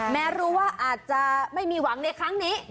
แม้รู้ว่าอาจจะไม่มีหวังในครั้งนี้